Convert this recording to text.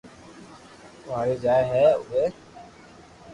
۾ آوي جائي ھي ھين اووي